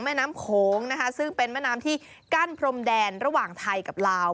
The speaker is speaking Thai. แม่น้ำโขงนะคะซึ่งเป็นแม่น้ำที่กั้นพรมแดนระหว่างไทยกับลาว